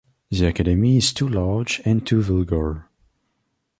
The Academy is too large and too vulgar.